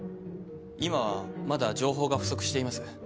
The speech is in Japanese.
今はまだ情報が不足しています。